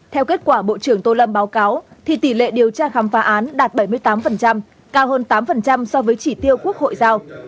theo kết quả bộ trưởng tô lâm báo cáo thì tỷ lệ điều tra khám phá án đạt bảy mươi tám cao hơn tám so với chỉ tiêu quốc hội giao